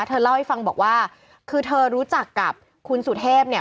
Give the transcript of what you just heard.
เธอเล่าให้ฟังบอกว่าคือเธอรู้จักกับคุณสุเทพเนี่ย